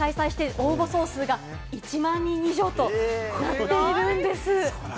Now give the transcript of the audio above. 応募総数が１万人以上となっているんです。